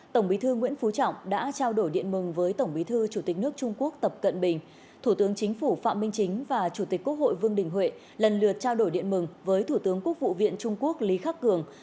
tổng bí thư nguyễn phú trọng đã trao đổi điện mừng với tổng bí thư chủ tịch nước trung quốc tập cận bình thủ tướng chính phủ phạm minh chính và chủ tịch quốc hội vương đình huệ lần lượt trao đổi điện mừng với thủ tướng quốc vụ viện trung quốc lý khắc cường